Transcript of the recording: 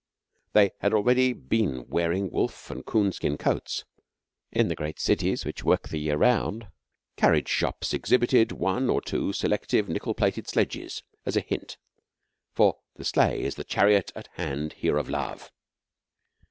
They had already been wearing wolf and coon skin coats. In the great cities which work the year round, carriage shops exhibited one or two seductive nickel plated sledges, as a hint; for the sleigh is 'the chariot at hand here of Love.'